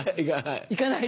行かない。